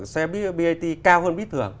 xe brt cao hơn bíp thường